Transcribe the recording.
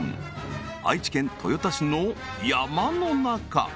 愛知県豊田市の山の中